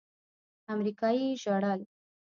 امريکايي ژړل.